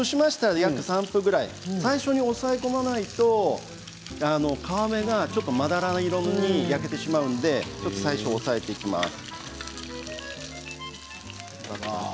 約３分ぐらい最初に押さえ込まないと皮目がちょっとまだら色に焼けてしまうので最初、押さえていきます。